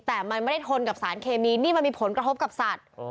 แต่มันไม่ได้ทนกับสารเคมีนี่มันมีผลกระทบกับสัตว์